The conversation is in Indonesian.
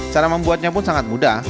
cara membuatnya pun sangat mudah